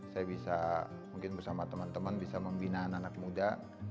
saya bisa mungkin bersama teman teman bisa membina anak anak muda